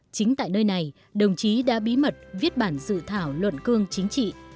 chính tại nơi này đồng chí đã bí mật viết bản dự thảo luận cương chính trị